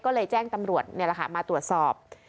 ก็เลยแจ้งตำรวจมาตรวจสอบ